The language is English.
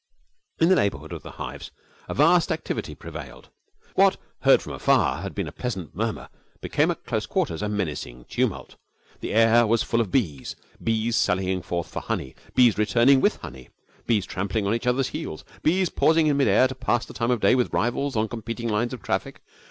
In the neighbourhood of the hives a vast activity prevailed. What, heard from afar, had been a pleasant murmur became at close quarters a menacing tumult. The air was full of bees bees sallying forth for honey, bees returning with honey, bees trampling on each other's heels, bees pausing in mid air to pass the time of day with rivals on competing lines of traffic.